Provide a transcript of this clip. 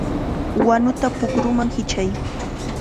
¡Wanuta pukruman hichay!